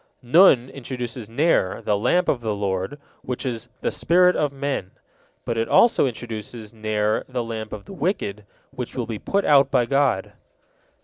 Nun introduces Ner, "the lamp of the Lord," which is "the spirit of men," but it also introduces Ner, "the lamp of the wicked," which will be put out by God.